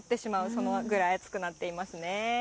そのぐらい暑くなっていますね。